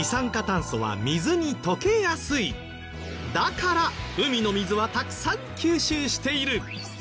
だから海の水はたくさん吸収している。